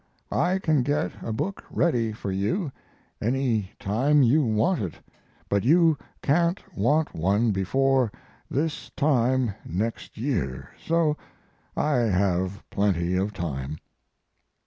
I can get a book ready for you any time you want it; but you can't want one before this time next year, so I have plenty of time.